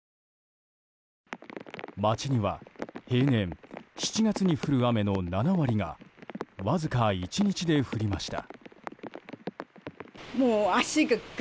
町には、平年７月に降る雨の７割がわずか１日で降りました。